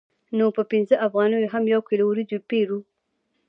نو په پنځه افغانیو هم یو کیلو وریجې پېرو